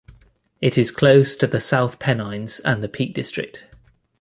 It is close to the South Pennines and the Peak District.